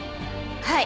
はい。